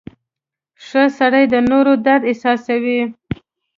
• ښه سړی د نورو درد احساسوي.